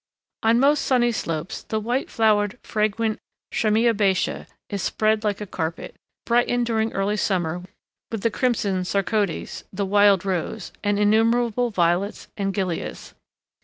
On the most sunny slopes the white flowered fragrant chamoebatia is spread like a carpet, brightened during early summer with the crimson Sarcodes, the wild rose, and innumerable violets and gilias.